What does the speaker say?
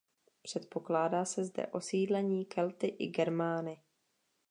Předpokládá se zde osídlení Kelty i Germány.